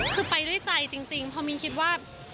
คือไปด้วยใจจริงเพราะมิ้นท์คิดว่า